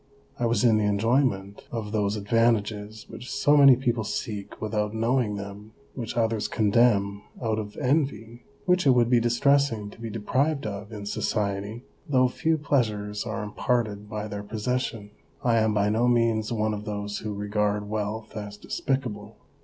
I was in the enjoyment of those advantages which so many people seek without knowing them, which others condemn out of envy, which it would be distressing to be deprived of in society, though few pleasures are imparted by their possession. I am by no means one of those who regard wealth as despicable.